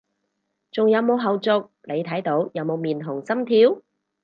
仲有冇後續，你睇到有冇面紅心跳？